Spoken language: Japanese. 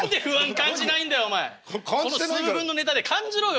この数分のネタで感じろよ！